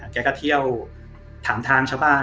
ก็ถามทางชาวบ้าน